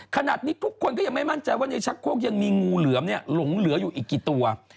ขนาดนี้ทุกคนก็ยังไม่มั่นใจว่าในชักโคกยังมีงูเหลือมหลงเหลืออยู่อีกกี่ตัว